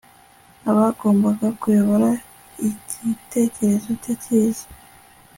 abagombaga kuyobora igitekerezo cye cyiza